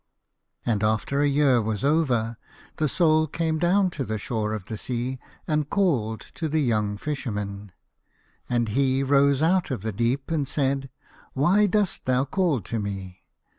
And after a year was over the Soul came down to the shore of the sea and called to the young Fisherman, and he rose out of the deep, and said, " Why dost thou call to me